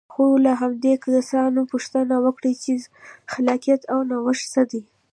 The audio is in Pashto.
خو که له همدې کسانو پوښتنه وکړئ چې خلاقیت او نوښت څه دی.